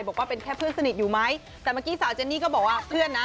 บอกว่าเป็นแค่เพื่อนสนิทอยู่ไหมแต่เมื่อกี้สาวเจนนี่ก็บอกว่าเพื่อนนะ